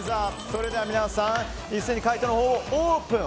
それでは皆さん一斉に回答をオープン。